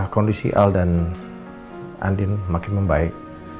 kondisi al dan andin makin membaik